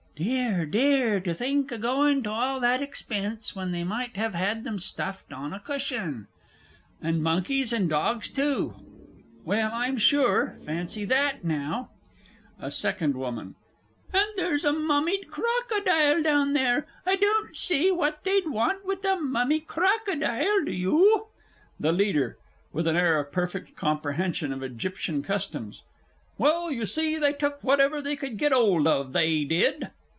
Dear, dear to think o' going to all that expense when they might have had 'em stuffed on a cushion! And monkeys, and dogs too well, I'm sure, fancy that now! SECOND WOMAN. And there's a mummied crocodile down there. I don't see what they'd want with a mummy crocodile, do you? THE LEADER (with an air of perfect comprehension of Egyptian customs). Well, you see they took whatever they could get 'old of, they did.